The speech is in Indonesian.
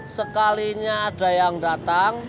sekalinya ada yang datang